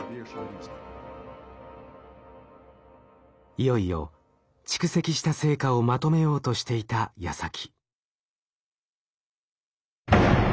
いよいよ蓄積した成果をまとめようとしていたやさき。